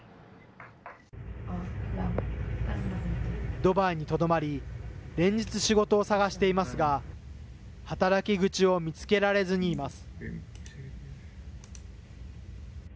ドバイにとどまり、連日、仕事を探していますが、働き口を見つけられずにいます。